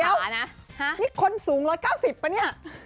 เดี๋ยวนี่คนสูง๑๙๐ป่ะเนี่ย